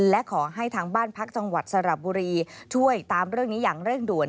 และขอให้ทางบ้านพักจังหวัดสระบุรีช่วยตามเรื่องนี้อย่างเร่งด่วน